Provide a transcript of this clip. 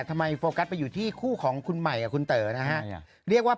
ทำไมโฟกัสไปอยู่ที่คู่ของคุณใหม่อย่างคุณเตยะฮะเรียกว่า